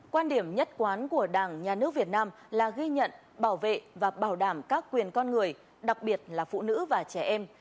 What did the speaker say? quan điểm nhất quán của đảng nhà nước việt nam là ghi nhận bảo vệ và bảo đảm các quyền con người đặc biệt là phụ nữ và trẻ em